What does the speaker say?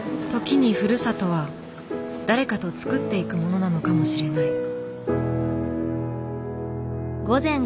時にふるさとは誰かとつくっていくものなのかもしれない。